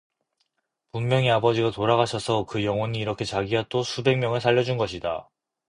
분명히 아버지가 돌아가셔서, 그 영혼이 이렇게 자기와 또 수백 명을 살려준 것이다.